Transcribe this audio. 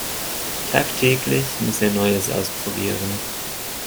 Tagtäglich muss er Neues ausprobieren.